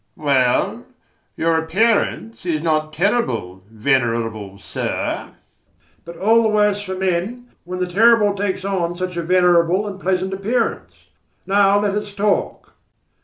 "Well, your appearance is not terrible, venerable sir. But all the worse for men, when the terrible takes on such a venerable and pleasant appearance. Now let us talk."